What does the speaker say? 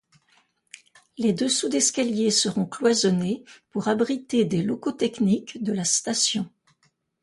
Les dessous d’escaliers seront cloisonnés pour abriter des locaux techniques de la station.